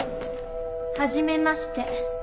はじめまして。